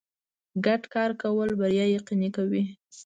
ګډ کار کول بریا یقیني کوي.